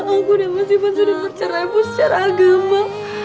aku dan si ivan sudah bercerai bercerai agama